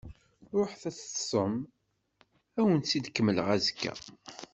Ruḥet ad teṭṭsem, ad awen-tt-id-kemmleɣ azekka.